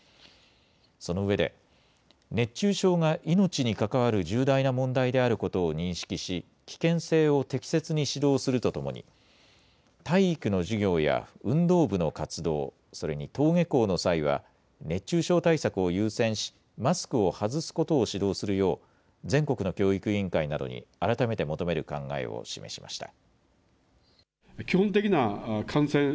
そのうえで、熱中症が命に関わる重大な問題であることを認識し危険性を適切に指導するとともに、体育の授業や運動部の活動、それに登下校の際は熱中症対策を優先しマスクを外すことを指導するよう全国の教育委員会などに改めて求める考えを示しました。